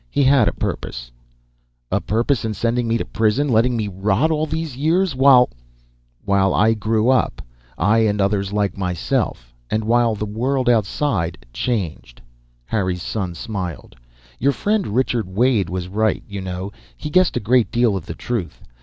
He had a purpose." "A purpose in sending me to prison, letting me rot all these years while " "While I grew up. I and the others like myself. And while the world outside changed." Harry's son smiled. "Your friend Richard Wade was right, you know. He guessed a great deal of the truth.